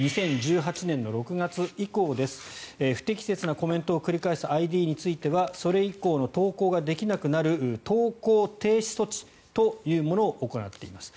２０１８年の６月以降です不適切なコメントを繰り返すＩＤについてはそれ以降の投稿ができなくなる投稿停止措置というものを行っています。